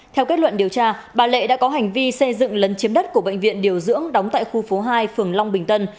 theo kết luận điều tra bà lệ đã có hành vi xây dựng lấn chiếm đất của bệnh viện điều dưỡng đóng tại khu phố hai phường long bình tân